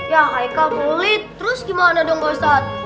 ya heikal kulit terus gimana dong bostak